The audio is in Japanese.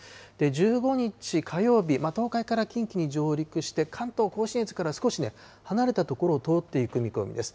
１５日火曜日、東海から近畿に上陸して、関東甲信越から少し離れた所を通っていく見込みです。